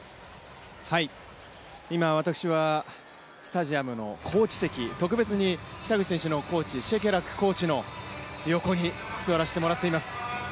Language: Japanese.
今、私はスタジアムのコーチ席、特別に北口選手のコーチシェケラックコーチの横に座らせてもらっています。